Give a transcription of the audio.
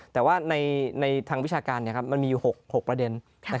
แต่ว่าในทางวิชาการมันมีอยู่๖ประเด็น